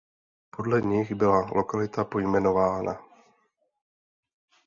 Podle nich byla lokalita pojmenována.